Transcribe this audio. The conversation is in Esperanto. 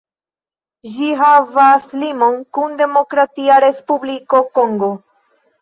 Ĝi havas limon kun Demokratia Respubliko Kongo.